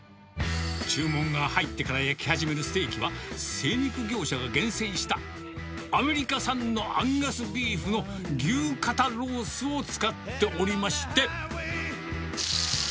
注文が入ってから焼き始めるステーキは、精肉業者が厳選した、アメリカ産のアンガスビーフの牛肩ロースを使っておりまして。